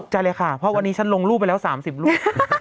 ใช่เลยค่ะเพราะวันนี้ฉันลงรูปไปแล้ว๓๐รูป